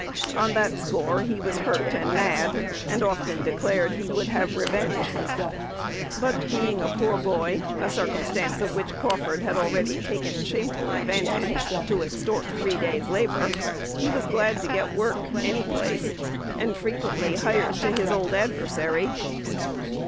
On that score he was "hurt" and "mad," and often declared "he would have revenge." But being a poor boy, a circumstance of which Crawford had already taken shameful advantage to extort three days' labor, he was glad to get work any place, and frequently "hired to his old adversary."